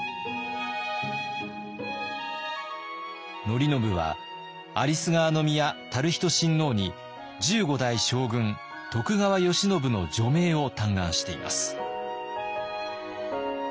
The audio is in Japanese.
範叙は有栖川宮熾仁親王に十五代将軍徳川慶喜の助命を嘆願しています。